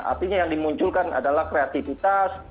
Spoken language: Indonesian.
artinya yang dimunculkan adalah kreativitas